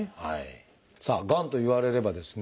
さあがんと言われればですね